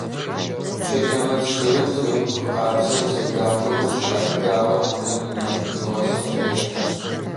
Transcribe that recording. Чэлэмэт шъырыт, ыгу къабзэ, бзэ дахэ ӏулъ, адыгагъэр гъунэм нигъэсэу зэрехьэ.